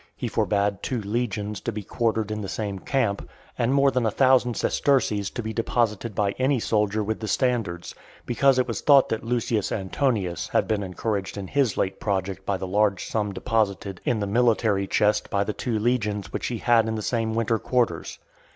He forbad two legions to be quartered in the same camp, and more than a thousand sesterces to be deposited by any soldier with the standards; because it was thought that Lucius Antonius had been encouraged in his late project by the large sum deposited in the military chest by the two legions which he had in the same winter quarters.